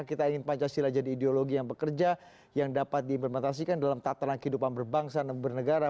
kita ingin pancasila jadi ideologi yang bekerja yang dapat diimplementasikan dalam tatanan kehidupan berbangsa dan bernegara